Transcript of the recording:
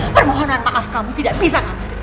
permohonan maaf kamu tidak bisa